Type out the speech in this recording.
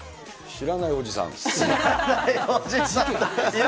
知らないおじさん。